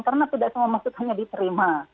karena tidak semua masukannya diterima